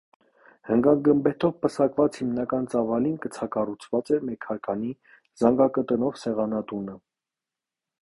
Հնգագմբեթով պսակված հիմնական ծավալին կցակառուցված էր մեկհարկանի զանգակատնով սեղանատունը։